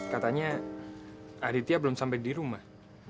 katanya aditya belum sampai di rumah